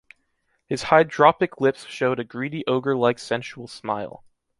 His hydropic lips showed a greedy ogre-like sensual smile.